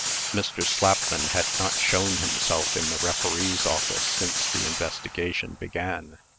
Mr. Slapman had not shown himself in the referee's office since the investigation began.